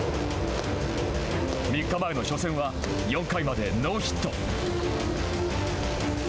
３日前の初戦は４回までノーヒット。